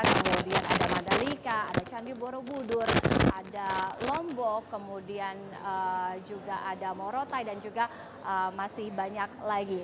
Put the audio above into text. kemudian ada mandalika ada candi borobudur ada lombok kemudian juga ada morotai dan juga masih banyak lagi